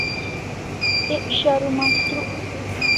Ek sharu mastruk